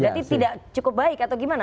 berarti tidak cukup baik atau gimana